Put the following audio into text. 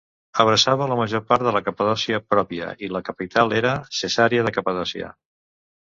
Abraçava la major part de la Capadòcia pròpia i la capital era Cesarea de Capadòcia.